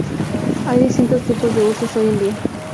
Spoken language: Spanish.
Hay distintos tipos en uso hoy en día.